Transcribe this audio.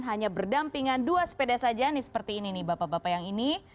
hanya berdampingan dua sepeda saja nih seperti ini nih bapak bapak yang ini